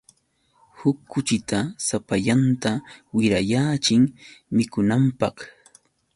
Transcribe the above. Huk kuchita sapallanta wirayaachin mikunanpaq.